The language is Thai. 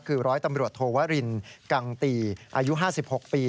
คือร้อยตำรวจโทวรินกังตีอายุ๕๖ปี